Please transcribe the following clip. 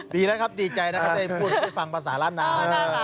ดีแล้วครับดีใจนะครับได้พูดได้ฟังภาษาร้านนา